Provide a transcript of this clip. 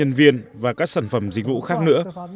nhân viên và các sản phẩm dịch vụ khác nữa